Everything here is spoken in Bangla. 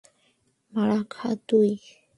মারা খা তুই!